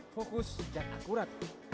fokus dan akurat